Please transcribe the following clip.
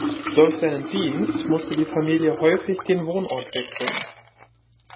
Durch seinen Dienst musste die Familie häufig den Wohnort wechseln.